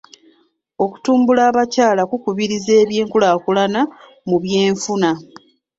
Okutumbula abakyala kukubiriza eby'enkulaakulana mu by'enfuna.